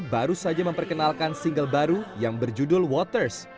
baru saja memperkenalkan single baru yang berjudul waters